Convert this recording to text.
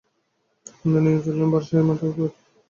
কন্যা নিয়ে চললেন বর সেই বিখ্যাত মাঠের মধ্যে, তালতড়ির মাঠ।